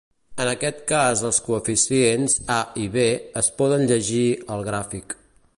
En aquest cas els coeficients a i be es poden llegir al gràfic.